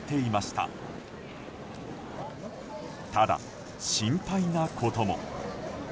ただ、心配なことも。